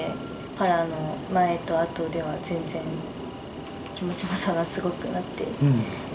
パラの前とあとでは全然、気持ちの差がすごくなって。